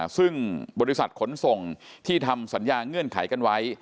ซึ่งบริษัทขนส่งที่ทำสัญญาเงื่อนไขกันไว้